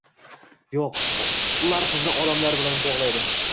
Yoʻq, ular sizni odamlar bilan bogʻlaydi.